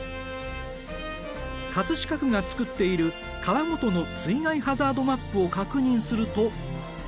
飾区が作っている川ごとの水害ハザードマップを確認すると。